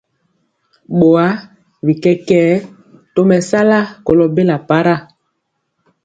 Boa bi kɛkɛɛ tomesala kolo bela para.